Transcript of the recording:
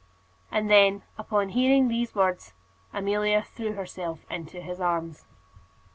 And then, upon hearing these words, Amelia threw herself into his arms.